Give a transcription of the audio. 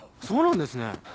そうなんですね。